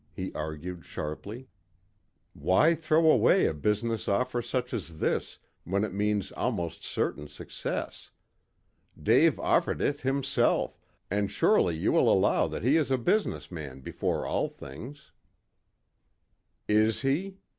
he argued sharply. "Why throw away a business offer such as this, when it means almost certain success? Dave offered it himself, and surely you will allow that he is a business man before all things." "Is he?"